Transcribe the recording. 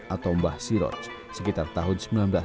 atau mbah siroj sekitar tahun seribu sembilan ratus sembilan puluh